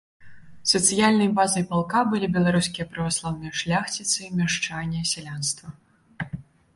Сацыяльнай базай палка былі беларускія праваслаўныя шляхціцы, мяшчане, сялянства.